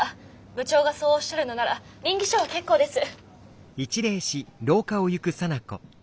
部長がそうおっしゃるのなら稟議書は結構です。